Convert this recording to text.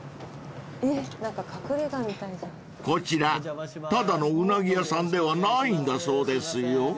［こちらただのウナギ屋さんではないんだそうですよ］